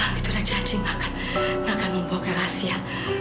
aku sudah janji nggak akan membawa ke rahasia